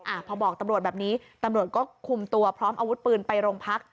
พอบอกตำรวจแบบนี้ตำรวจก็คุมตัวพร้อมอาวุธปืนไปโรงพัก